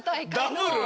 ダブル？